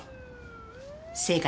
正解